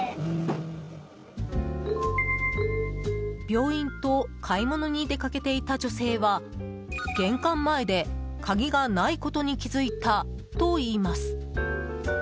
病院と買い物に出かけていた女性は玄関前で、鍵がないことに気づいたといいます。